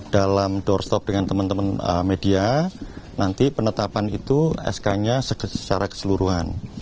dalam doorstop dengan teman teman media nanti penetapan itu sk nya secara keseluruhan